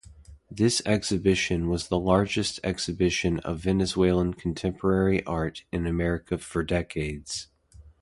This exhibition was the largest exhibition of Venezuelan contemporary art in America in decades.